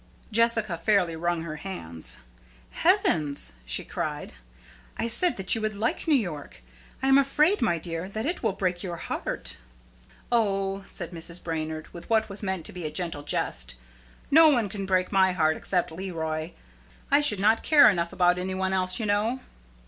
Jessica fairly wrung her hands. "Heavens!" she cried. "I said you would like New York. I am afraid, my dear, that it will break your heart!" "Oh," said Mrs. Brainard, with what was meant to be a gentle jest, "no one can break my heart except Leroy. I should not care enough about any one else, you know."